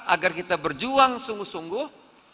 agar kita berjuang sungguh sungguh